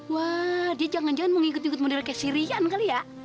wah dia jangan jangan mau ngikut ngikut mandir kayak si rian kali ya